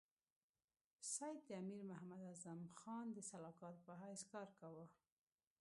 سید د امیر محمد اعظم خان د سلاکار په حیث کار کاوه.